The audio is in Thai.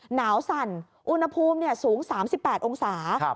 หนาวสั่นอุณหภูมิสูง๓๘องศา